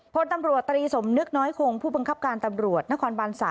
พลตำรวจตรีสมนึกน้อยคงผู้บังคับการตำรวจนครบัน๓